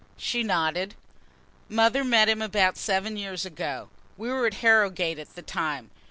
She nodded. "Mother met him about seven years ago. We were at Harrogate at the time.